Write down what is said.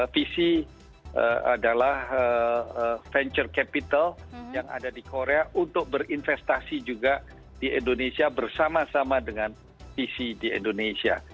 visi adalah venture capital yang ada di korea untuk berinvestasi juga di indonesia bersama sama dengan visi di indonesia